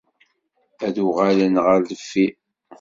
Ad uɣalen ɣer deffir.